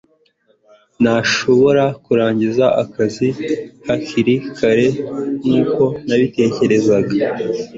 Nashoboye kurangiza akazi hakiri kare nkuko nabitekerezaga